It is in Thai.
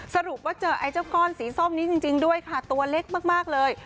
สรุปว่าเจอไอ้เจ้าก้อนสีส้มนี้จริงด้วยค่ะตัวเล็กมากเลย